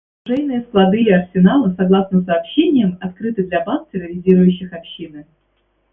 Оружейные склады и арсеналы, согласно сообщениям, открыты для банд, терроризирующих общины.